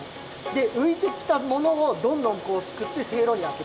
でういてきたものをどんどんすくってせいろにあけてく。